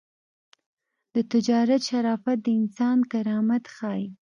د تجارت شرافت د انسان کرامت ښيي.